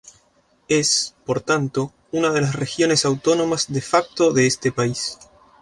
Es, por tanto, una de las regiones autónomas de facto de este país.